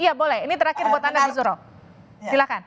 iya boleh ini terakhir buat anda mas suro silakan